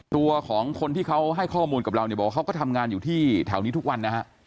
ตัวของคนที่เขาให้ข้อมูลกับเราเนี่ยบอกว่าเขาก็ทำงานอยู่ที่แถวนี้ทุกวันนะฮะ